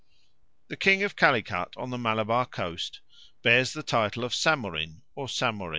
The king of Calicut, on the Malabar coast, bears the title of Samorin or Samory.